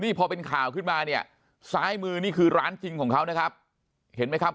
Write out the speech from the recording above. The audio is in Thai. นี่พอเป็นข่าวขึ้นมาเนี่ยซ้ายมือนี่คือร้านจริงของเขานะครับเห็นไหมครับ